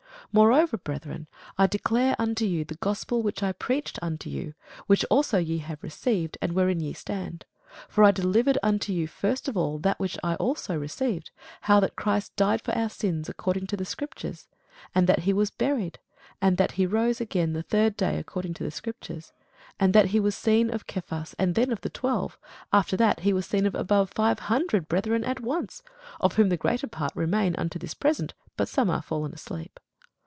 Moreover, brethren, I declare unto you the gospel which I preached unto you, which also ye have received, and wherein ye stand. For I delivered unto you first of all that which I also received, how that Christ died for our sins according to the scriptures; and that he was buried, and that he rose again the third day according to the scriptures: and that he was seen of Cephas, then of the twelve: after that, he was seen of above five hundred brethren at once; of whom the greater part remain unto this present, but some are fallen asleep.